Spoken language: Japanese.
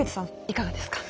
いかがですか？